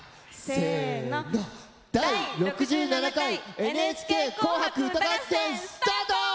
せの「第６７回ＮＨＫ紅白歌合戦」スタート！